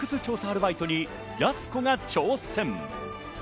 アルバイトにやす子が挑戦。